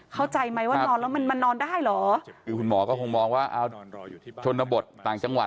เข้าใจไหมว่านอนแล้วมันมานอนได้หรอ